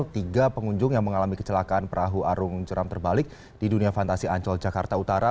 tiga pengunjung yang mengalami kecelakaan perahu arung jeram terbalik di dunia fantasi ancol jakarta utara